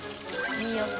いい音。